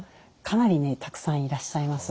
かなりたくさんいらっしゃいます。